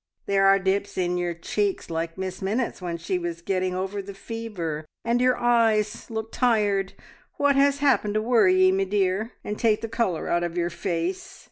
"There are dips in your cheeks, like Miss Minnitt's when she was getting over the fever, and your eyes look tired. What has happened to worry ye, me dear, and take the colour out of your face?"